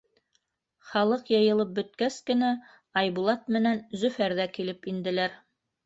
Халыҡ йыйылып бөткәс кенә, Айбулат менән Зөфәр ҙә килеп инделәр.